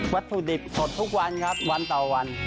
ถุดิบสดทุกวันครับวันต่อวัน